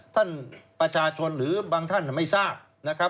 ท่านประชาชนหรือบางท่านไม่ทราบนะครับ